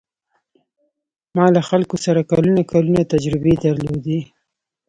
ما له خلکو سره کلونه کلونه تجربې درلودې.